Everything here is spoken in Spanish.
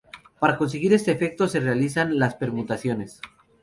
Para conseguir este efecto se realizan las permutaciones.